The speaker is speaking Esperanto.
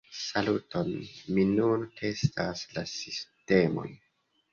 Saluton, mi nun testas la sistemon.